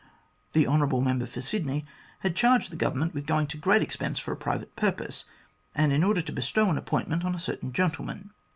The Hon. Member for Sydney had charged the Government with going to great expense for a private purpose, and in order to bestow an appointment on a certain gentleman.